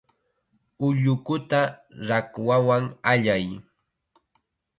Ullukuta rakwan allay.